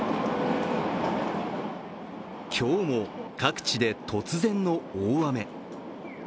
今日も各地で突然の大雨。